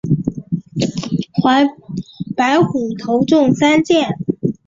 白虎头中三箭。